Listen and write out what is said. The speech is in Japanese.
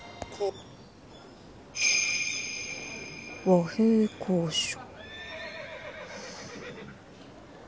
和平交渉。